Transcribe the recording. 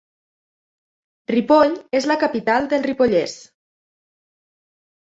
Ripoll és la capital del Ripollès.